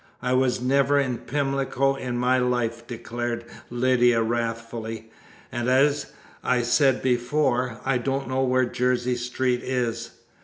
"I was never in Pimlico in my life!" declared Lydia wrathfully, "and, as I said before, I don't know where Jersey Street is."